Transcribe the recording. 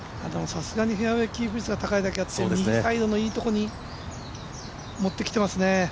さすがにフェアウエーキープ率が高いだけあって右サイドのいいところに持ってきてますね。